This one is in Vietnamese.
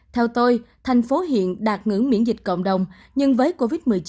theo tôi thành phố hiện đạt ngưỡng miễn dịch cộng đồng nhưng với covid một mươi chín